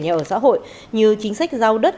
nhà ở xã hội như chính sách giao đất